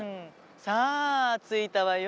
さあ着いたわよ